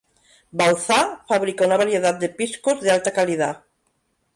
Bauzá fabrica una variedad de piscos de alta calidad.